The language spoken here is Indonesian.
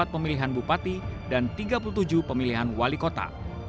dua ratus dua puluh empat pemilihan bupati dan tiga puluh tujuh pemilihan wali kota